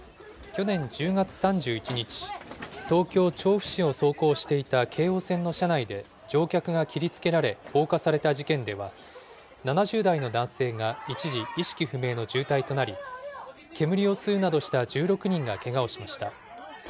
去年１０月３１日、東京・調布市を走行していた京王線の車内で、乗客が切りつけられ、放火された事件では、７０代の男性が一時、意識不明の重体となり、煙を吸うなどした１６人がけがをしました。